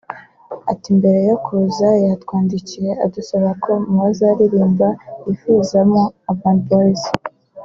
Ati “Mbere yo kuza yatwandikiye adusaba ko mu bazaririmba yifuzamo Urban Boyz